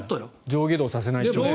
上下動させないと。